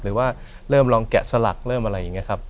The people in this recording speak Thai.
หรือว่าเริ่มลองแกะสลักเริ่มอะไรอย่างนี้ครับ